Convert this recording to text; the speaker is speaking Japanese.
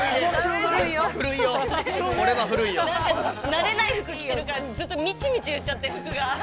◆なんかなれない服着てるから、ずっとミチミチ言っちゃって、服が。